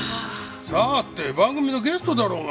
「さあ？」って番組のゲストだろうが。